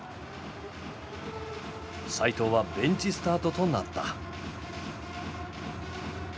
齋藤はベンチスタートとなった。